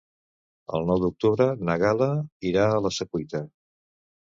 El nou d'octubre na Gal·la irà a la Secuita.